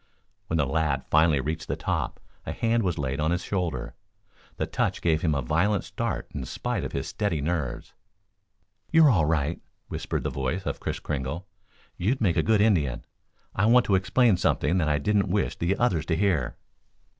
When the lad finally reached the top a hand was laid on his shoulder. The touch gave him a violent start in spite of his steady nerves. "You're all right," whispered the voice of Kris Kringle. "You'd make a good Indian. I want to explain something that I didn't wish the others to hear."